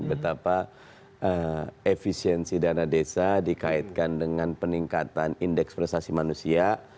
betapa efisiensi dana desa dikaitkan dengan peningkatan indeks prestasi manusia